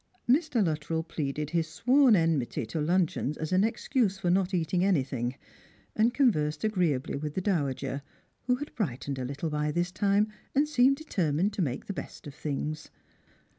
Mr. Luttrell pleaded hia sworn enmity to luncheons as an excuse for not eating any thing; and conversed agreeably with the dowager, who had brightened a little by this time, and seemed determined to make the best of things.